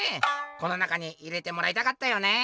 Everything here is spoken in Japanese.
この中に入れてもらいたかったよね」。